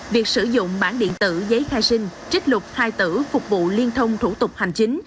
việc sử dụng bản điện tử giấy khai sinh trích lục thai tử phục vụ liên thông thủ tục hành chính